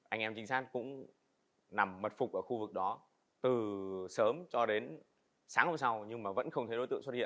anh em trinh sát cũng nằm mật phục ở khu vực đó từ sớm cho đến sáng hôm sau nhưng mà vẫn không thấy đối tượng xuất hiện